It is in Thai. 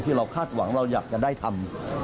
เราคาดหวังเราอยากจะได้ทำ